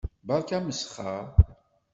Berka amesxer.